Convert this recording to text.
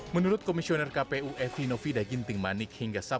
menurut komisioner kpu evi novida ginting manik